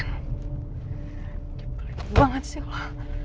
nyebelin banget sih lo